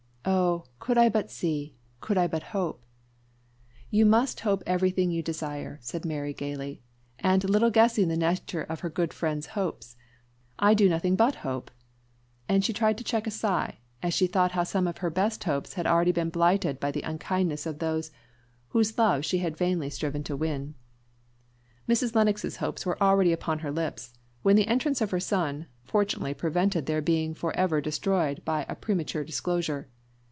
Oh! could I but see could I but hope " "You must hope everything you desire," said Mary gaily, and little guessing the nature of her good friend's hopes; "I do nothing but hope." And she tried to check a sigh, as she thought how some of her best hopes had been already blighted by the unkindness of those whose love she had vainly striven to win. Mrs. Lennox's hopes were already upon her lips, when the entrance of her son fortunately prevented their being for ever destroyed by a premature disclosure.